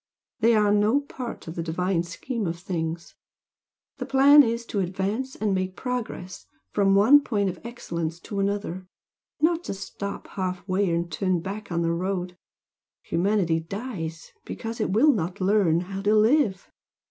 They are no part of the divine scheme of things. The plan is to advance and make progress from one point of excellence to another, not to stop half way and turn back on the road. Humanity dies, because it will not learn how to live."